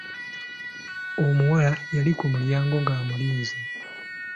Omuwala yali kumulyango ng'amulinze.